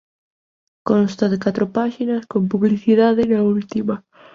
Consta de catro páxinas con publicidade na última